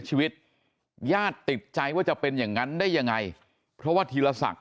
ชีวิตญาติติดใจว่าจะเป็นอย่างนั้นได้ยังไงเพราะว่าธีรศักดิ